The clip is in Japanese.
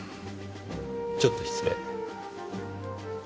ちょっと失礼。